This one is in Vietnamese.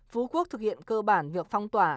phú quốc thực hiện cơ bản việc phong tỏa